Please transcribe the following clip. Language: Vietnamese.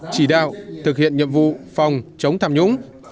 chỉ đạo thực hiện nhiệm vụ phòng chống tham nhũng